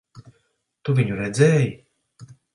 Tu viņu redzēji?